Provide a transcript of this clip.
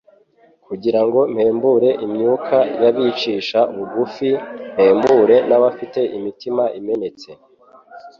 kugira ngo mpembure imyuka y’abicisha bugufi, mpembure n’abafite imitima imenetse